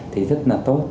thì rất là tốt